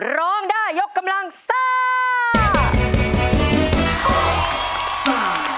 ร้องได้ยกกำลังซ่า